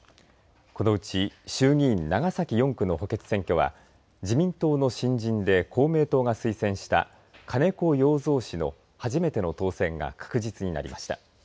このうち衆議院長崎４区の補欠選挙は自民の新人で公明党が推薦した金子容三氏の初めての当選が確実になりました。